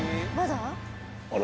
あら？